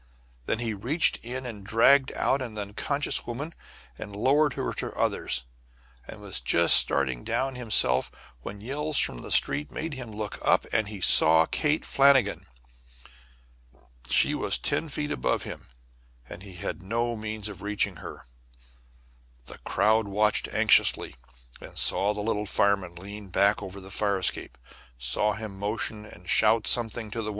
Then he reached in and dragged out an unconscious woman and lowered her to others, and was just starting down himself when yells from the street made him look up, and he saw Kate Flannigan. She was ten feet above him, and he had no means of reaching her. The crowd watched anxiously, and saw the little fireman lean back over the fire escape, saw him motion and shout something to the woman.